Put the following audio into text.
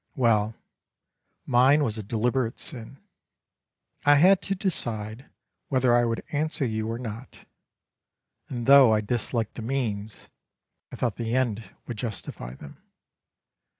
Well, mine was a deliberate sin. I had to decide whether I would answer you or not, and, though I disliked the means, I thought the end would justify them.